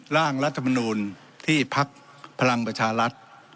ร่างรัฐมนูลที่พักพลังประชารัฐ